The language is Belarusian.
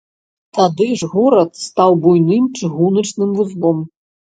Тады ж горад стаў буйным чыгуначным вузлом.